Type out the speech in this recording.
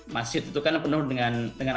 masih tentukan penuh dengan